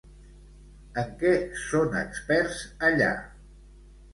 En què són experts allà?